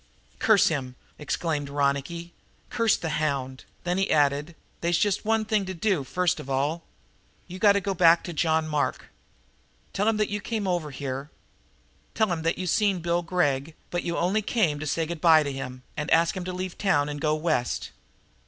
"Curse him!" exclaimed Ronicky. "Curse the hound!" Then he added: "They's just one thing to do, first of all. You got to go back to John Mark. Tell him that you came over here. Tell him that you seen Bill Gregg, but you only came to say good by to him, and to ask him to leave town and go West.